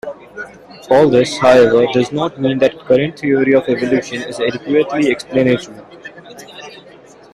All this, however, does not mean the current theory of evolution is adequately explanatory.